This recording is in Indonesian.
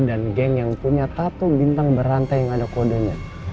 dan geng yang punya tattoo bintang berantai yang ada kodenya